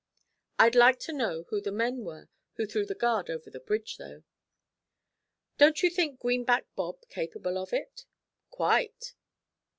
I'd like to know who the men were who threw the guard over the bridge, though.' 'Don't you think Greenback Bob capable of it?' 'Quite.'